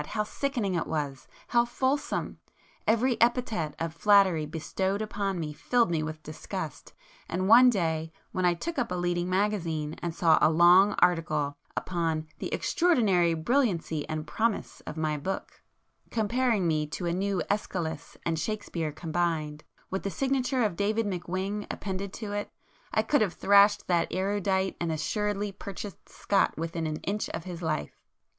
—how sickening it was!—how fulsome! Every epithet of flattery bestowed upon me filled me with disgust, and one day when I took up a leading magazine and saw a long article upon the 'extraordinary brilliancy and promise' of my book, comparing me to a new Æschylus and Shakespeare combined, with the signature of David McWhing appended to it, I could have thrashed that erudite and assuredly purchased Scot within an inch of his life.